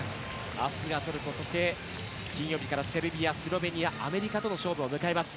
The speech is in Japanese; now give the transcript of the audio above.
明日がトルコ、そして金曜日からセルビア、スロベニアアメリカとの勝負を迎えます。